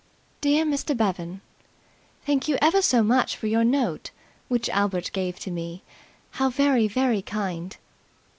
"DEAR MR. BEVAN, "Thank you ever so much for your note, which Albert gave to me. How very, very kind.